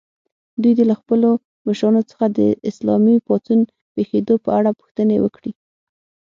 دوی دې له خپلو مشرانو څخه د اسلامي پاڅون پېښېدو په اړه پوښتنې وکړي.